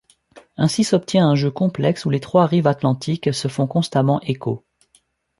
Ainsi s'obtient un jeu complexe où les trois rives atlantiques se font constamment écho.